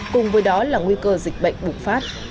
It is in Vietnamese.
cùng với đó là nguy cơ dịch bệnh bụng phát